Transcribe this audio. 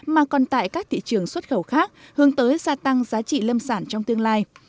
mà còn tại các thị trường xuất khẩu khác hướng tới gia tăng giá trị lâm sản trong tương lai